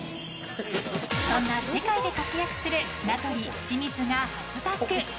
そんな世界で活躍する名取、清水が初タッグ！